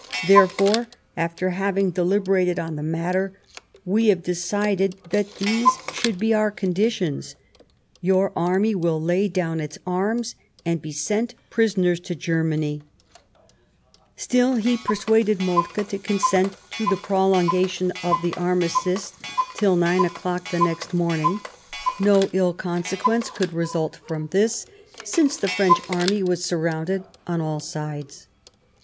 Therefore, after having deliberated on the matter, we have decided that these should be our conditions : Your army will lay down its arms and be sent prisoners to Ger many," Still, he persuaded Moltke to consent to the prolongation of the armistice till nine o'clock the next morning ; no ill consequence could result from 136 The War of 1870 this, since the French army was surrounded on all sides.